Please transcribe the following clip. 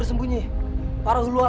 namamu siapa jalukan